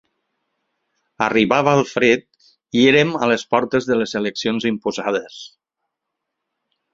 Arribava el fred i érem a les portes de les eleccions imposades.